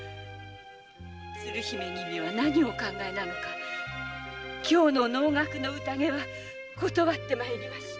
鶴姫君は何をお考えか今日の能楽の宴は断ってまいりました。